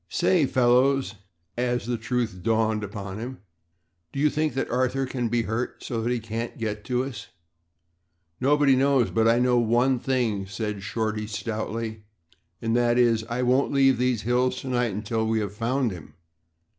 Say, fellows," as the truth dawned upon him, "do you think that Arthur can be hurt so that he can't get to us?" "Nobody knows. But I know one thing," said Shorty stoutly, "and that is, that I won't leave these hills to night until we have found him."